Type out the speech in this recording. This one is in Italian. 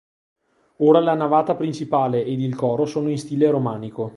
Ora la navata principale ed il coro sono in stile romanico.